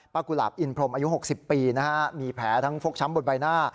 กุหลาบอินพรมอายุ๖๐ปีนะฮะมีแผลทั้งฟกช้ำบนใบหน้า